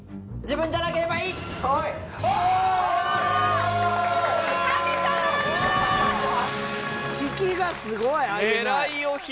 自分じゃなければいい！